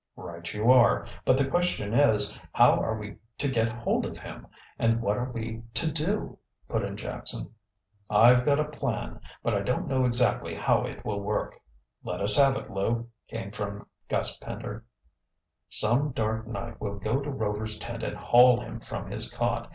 "Right you are. But the question is, How are we to get hold of him, and what are we to do?" put in Jackson. "I've got a plan, but I don't know exactly how it will work." "Let us have it, Lew," came from Gus Pender. "Some dark night we'll go to Rover's tent and haul him from his cot.